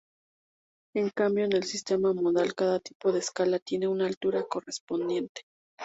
En cambio en el sistema modal cada tipo de escala tiene una altura correspondiente.